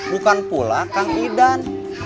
bukan pula kang idan